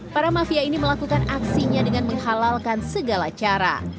para mafia ini melakukan aksinya dengan menghalalkan segala cara